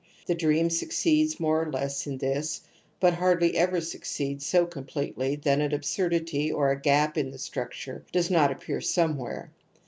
jThe dream succeeds more or less in this, but hardly ever succeeds so completely that an absurdity or a gap in the structure does not appear somewhere.